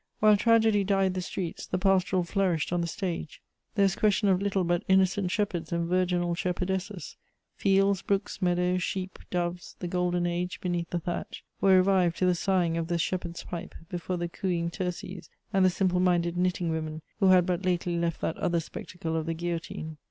While tragedy dyed the streets, the pastoral flourished on the stage; there was question of little but innocent shepherds and virginal shepherdesses: fields, brooks, meadows, sheep, doves, the golden age beneath the thatch, were revived to the sighing of the shepherd's pipe before the cooing Tirces and the simple minded knitting women who had but lately left that other spectacle of the guillotine.